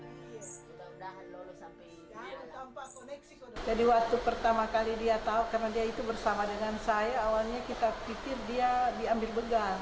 jadi waktu pertama kali dia tahu karena dia itu bersama dengan saya